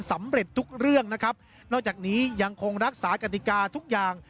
สำเร็จทุกเรื่องนะครับนอกจากนี้ยังคงรักษากติกาทุกอย่าง